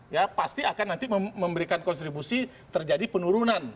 ya pasti akan nanti memberikan kontribusi terjadi penurunan